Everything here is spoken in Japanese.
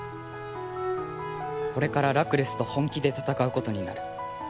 これからラクレスと本気で戦うことになる。